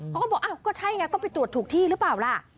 เขาก็บอกอ้าวก็ใช่ไงก็ไปตรวจถูกที่หรือเปล่าล่ะ